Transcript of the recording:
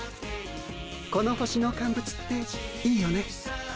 この星のカンブツっていいよね。